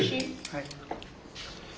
はい。